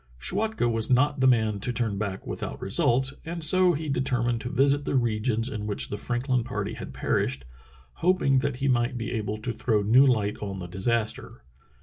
Schwatka was not the man to turn back without results, and so he determined to visit the regions in which the Franklin party had perished, hoping that he might be able to throw new light on the disaster.